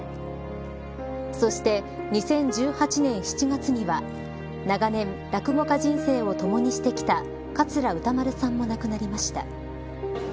そして、２０１８年７月には長年落語家人生を共にしてきた桂歌丸さんも亡くなりました。